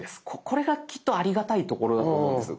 これがきっとありがたいところだと思うんです。